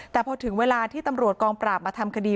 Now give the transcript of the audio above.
แต่พอถึงเวลาที่ตำรวจกองปราบมาทำคดี